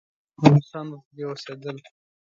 روسان به پکې اوسېدل.